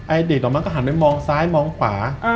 ไอ้เด็กต่อมาก็หันไปมองซ้ายมองขวา